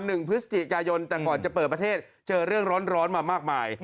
ที่มา๑พฤศนี้เกาะยนต์จะก่อนจะเปิดประเทศเจอเรื่องร้อนร้อนมามากมาย